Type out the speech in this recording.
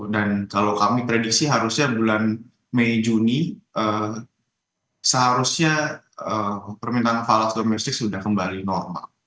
dan kalau kami prediksi harusnya bulan mei juni seharusnya permintaan fallout domestik sudah kembali normal